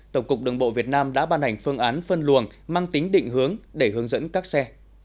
tổng cục đường bộ việt nam đã ban hành phương án phân luồng mang tính định hướng để hướng dẫn các xe